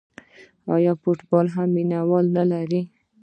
آیا فوتبال هم مینه وال نلري؟